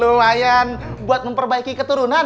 lumayan buat memperbaiki keturunan